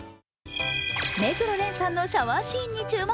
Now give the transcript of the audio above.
目黒蓮さんのシャワーシーンに注目。